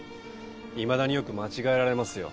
いまだによく間違えられますよ。